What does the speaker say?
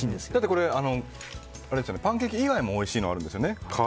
これパンケーキ以外もおいしいのあるんですよね？